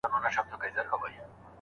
د قرآن کريم د تفسير علم اشرف العلوم دی.